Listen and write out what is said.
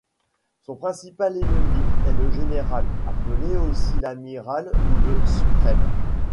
Son principal ennemi est Le Général, appelé aussi L'Amiral ou Le Suprême.